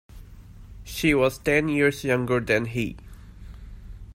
She was ten years younger than he.